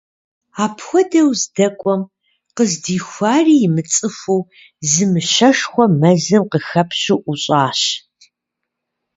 Апхуэдэу здэкӏуэм къыздихуари имыцӏыхуу, зы мыщэшхуэ мэзым къыхэпщу ӏущӏащ.